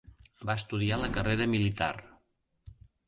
Va estudiar la carrera militar.